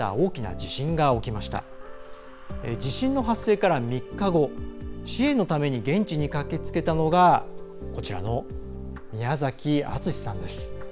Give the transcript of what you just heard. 地震の発生から３日後支援のために現地に駆けつけたのが宮崎淳さんです。